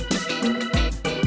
terima kasih bang